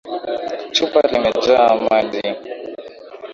Chupa ilimejaa maji